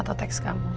atau text kamu